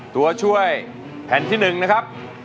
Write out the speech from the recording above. ตัวช่วยแผ่นที่๑นะครับ